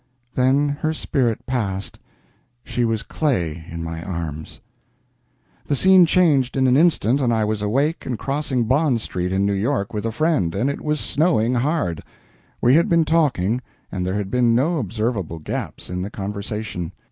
Then her spirit passed; she was clay in my arms. The scene changed in an instant and I was awake and crossing Bond Street in New York with a friend, and it was snowing hard. We had been talking, and there had been no observable gaps in the conversation.